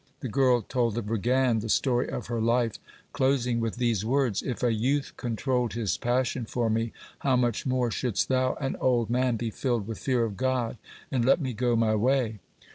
The girl told the brigand the story of her life, closing with these words: 'If a youth controlled his passion for me, how much more shouldst thou, an old man, be filled with fear of God, and let me go my way.'